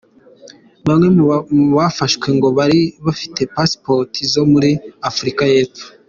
Bamwe mu bafashwe ngo bari bafite Passports zo muri Afurika y’Epfo.